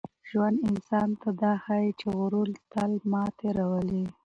ژوند انسان ته دا ښيي چي غرور تل ماتې راولي.